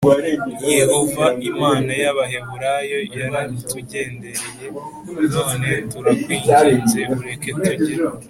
Yehova imana y abaheburayom yaratugendereye n none turakwinginze ureke tujye